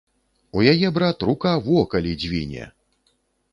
У яе, брат, рука во, калі дзвіне!